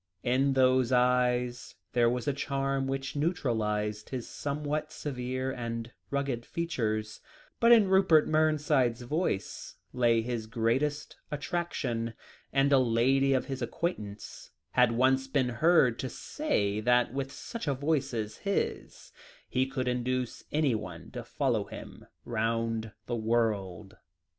In those eyes there was a charm which neutralised his somewhat severe and rugged features, but in Rupert Mernside's voice lay his greatest attraction; and a lady of his acquaintance had once been heard to say that with such a voice as his, he could induce anyone to follow him round the world.